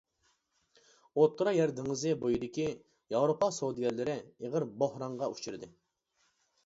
ئوتتۇرا يەر دېڭىزى بويىدىكى ياۋروپا سودىگەرلىرى ئېغىر بوھرانغا ئۇچرىدى.